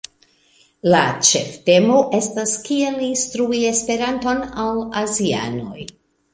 La ĉeftemo estas kiel instrui Esperanton al azianoj.